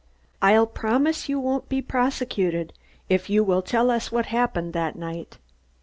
"I'll promise you won't be prosecuted if you will tell us what happened that night."